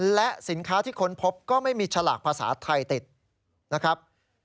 และสินค้าที่ค้นพบก็ไม่มีฉลากภาษาไทยติดนะครับ